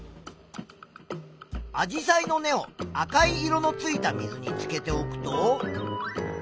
アジサイの根を赤い色のついた水につけておくと。